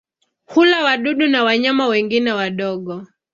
Hula wadudu na wanyama wengine wadogo.